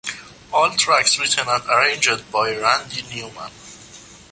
All tracks written and arranged by Randy Newman.